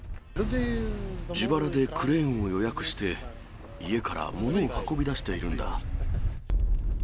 自腹でクレーンを予約して、家から物を運び出しているんだ。